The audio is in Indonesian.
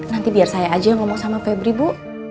nanti biar saya aja yang ngomong sama febri bu